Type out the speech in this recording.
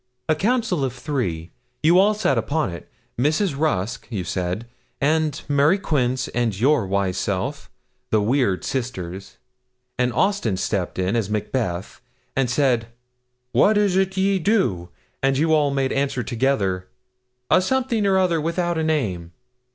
A council of three you all sat upon it Mrs. Rusk, you said, and Mary Quince, and your wise self, the weird sisters; and Austin stepped in, as Macbeth, and said, 'What is't ye do?' You all made answer together, 'A something or other without a name!'